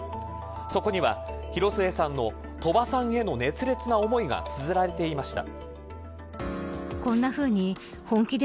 そこには広末さんの鳥羽さんへの熱烈な思いがつづられていました。